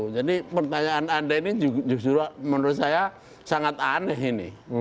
jadi pertanyaan anda ini justru menurut saya sangat aneh ini